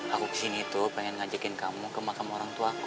aku kesini tuh pengen ngajakin kamu ke makam orangtuaku